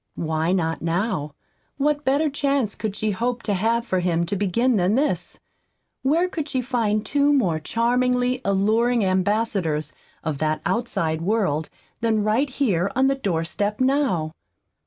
Why not now? What better chance could she hope to have for him to begin than this? Where could she find two more charmingly alluring ambassadors of that outside world than right here on the door step now?